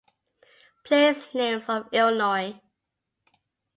"Place Names of Illinois".